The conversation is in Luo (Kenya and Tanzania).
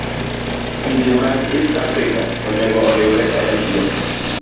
Pinje mag East Africa onego oriwre kanyachiel.